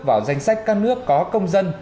vào danh sách các nước có công dân